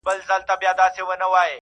چي هغوی خپل حقوق نه پېژني